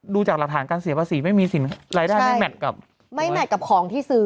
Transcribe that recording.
จากหลักฐานการเสียภาษีไม่มีสินรายได้ไม่แมทกับไม่แมทกับของที่ซื้อ